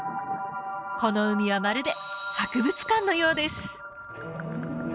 この海はまるで博物館のようです